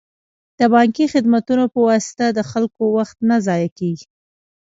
د بانکي خدمتونو په واسطه د خلکو وخت نه ضایع کیږي.